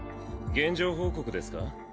現状報告ですか？